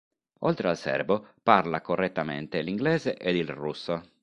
Oltre al serbo, parla correttamente l'inglese ed il russo.